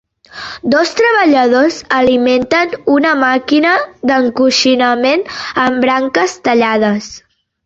Dos treballadors alimenten una màquina d'encoixinament amb branques tallades.